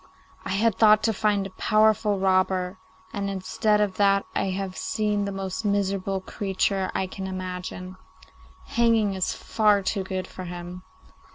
I had thought to find a powerful robber, and instead of that I have seen the most miserable creature I can imagine. Hanging is far too good for him.